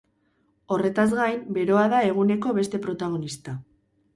Horretaz gain, beroa da eguneko beste protagonista.